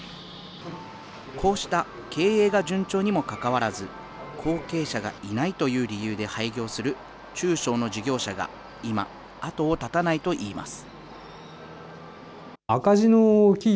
こうした経営が順調にもかかわらず、後継者がいないという理由で廃業する中小の事業者が今、後を絶たないといいます。